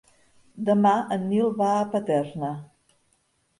Demà en Nil va a Paterna.